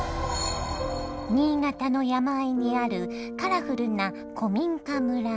新潟の山あいにあるカラフルな古民家村。